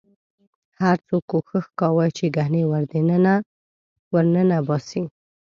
هر څوک کوښښ کاوه چې ګنې ورننه باسي.